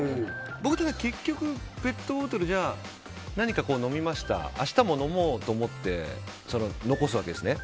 僕的には結局、ペットボトルで何か飲みました明日も飲もうと思って残すわけですね。